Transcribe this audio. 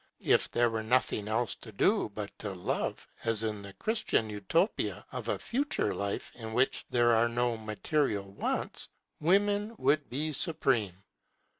If there were nothing else to do but to love, as in the Christian utopia of a future life in which there are no material wants, Women would be supreme.